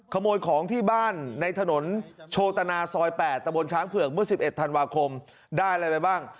ขโมยของที่บ้านในถนนโชตนาซอย๘ตะบนช้างเผือกเมื่อ๑๑ธันวาคมได้อะไรไปบ้าง